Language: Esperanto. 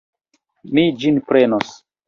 Mi ĝin prenos.